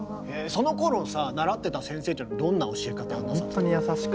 そのころさ習ってた先生っていうのはどんな教え方をなさってた？